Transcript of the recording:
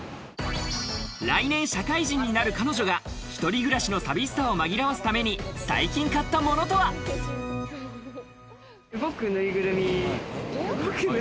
来年、社会人になる彼女が、一人暮らしの寂しさを紛らわすために最近買ったものとは？動くぬいぐるみ。